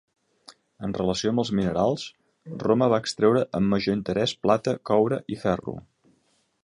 En relació amb els minerals, Roma va extraure amb major interès plata, coure i ferro.